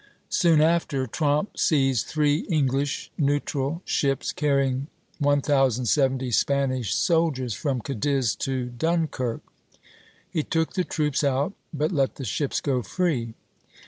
Soon after, Tromp seized three English [neutral] ships carrying 1070 Spanish soldiers from Cadiz to Dunkirk; he took the troops out, but let the ships go free.